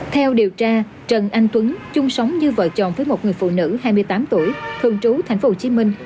theo điều tra trần anh tuấn chung sống như vợ chồng với một người phụ nữ hai mươi tám tuổi thường trú thành phố hồ chí minh